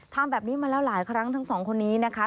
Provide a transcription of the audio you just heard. ทำแบบนี้มาแล้วหลายครั้งทั้งสองคนนี้นะคะ